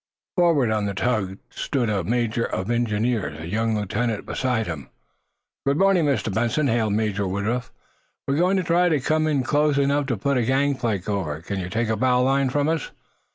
Forward, on the tug, stood a major of engineers, a young lieutenant beside him. "Good morning, Mr. Benson," hailed Major Woodruff. "We're going to try to come in close enough to put a gang plank over. Can you take a bow line from us?"